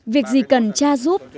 việc gì cần cha giúp